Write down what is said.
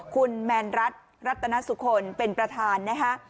คุณแมนรัฐรัตนสุคลเป็นประธานนะฮะ